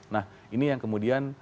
nah ini yang kemudian